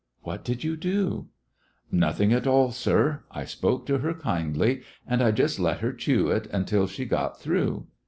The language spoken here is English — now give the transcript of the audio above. "What did you dot" "Nothing at all, sir. I spoke to her kindly, and I just let her chew it until she got through.